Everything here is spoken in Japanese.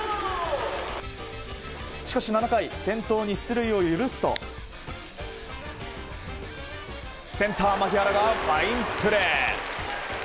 しかし７回先頭に出塁を許すとセンター、牧原がファインプレー。